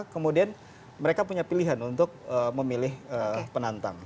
kemudian mereka punya pilihan untuk memilih penantang